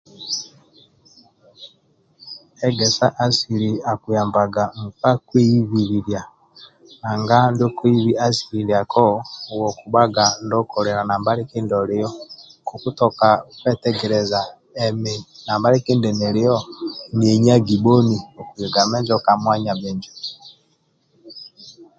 Egesa asiili akiyambaga nkpa kweibililia anga ndio koibi asili ndiako uwe okubhaga ndio koli nambali kindi olia kokutoka kwetegeleza nambali kindio olio nienyagi bhoni okulikaga menjo ka mwanya bhinjo